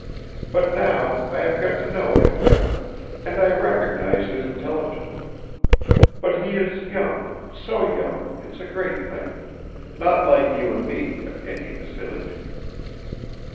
But now I have got to know him better, and I recognize his intelligence ... but he is young, so young, it's a great thing ... not like you and me, Evgeny Vassilich."